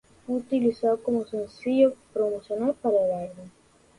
Fue utilizado como sencillo promocional para el álbum.